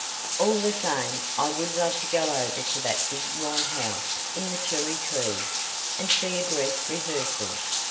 "All the same I would love to go over to that big white house in the cherry trees, and see a dress rehearsal.